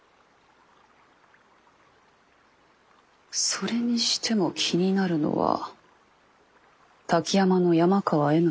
それにしても気になるのは滝山の山川への執着。